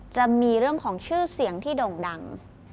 จะมีเรื่องของชื่อเสียงที่โด่งดัง